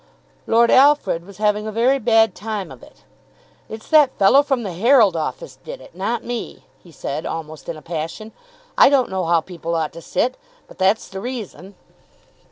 Lord Alfred was having a very bad time of it. "It's that fellow from 'The Herald' office did it, not me," he said, almost in a passion. "I don't know how people ought to sit. But that's the reason."